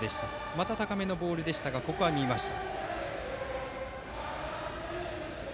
また高めのボールでしたがここは見ました。